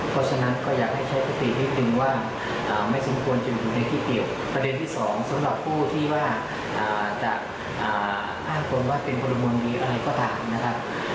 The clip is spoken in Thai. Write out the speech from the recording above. ประเด็นที่สองสำหรับผู้ที่ว่าจะอ้างควรว่าเป็นคนละมนต์ดีอะไรก็ตามนะครับ